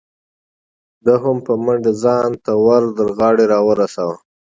ده هم په منډه ځان تر وردغاړې را ورسو.